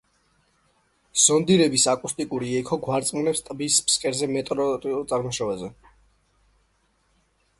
ზონდირების აკუსტიკური ექო გვარწმუნებს ტბის ფსკერის მეტეორიტულ წარმოშობაზე.